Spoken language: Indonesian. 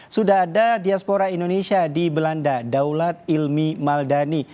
sudah ada diaspora indonesia di belanda daulat ilmi maldani